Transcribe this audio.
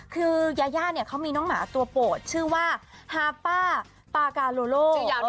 คือยาเขามีน้องหมาตัวโปรดชื่อว่าฮาป่าปากาลูโล